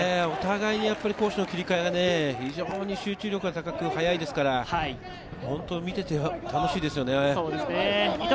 お互いに攻守の切り替えが非常に集中力が高く、速いですから、本当に見ていて楽しいですね。